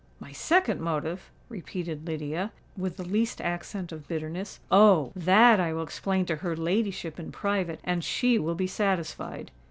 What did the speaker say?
"My second motive!" repeated Lydia, with the least accent of bitterness: "oh! that I will explain to her ladyship in private—and she will be satisfied!"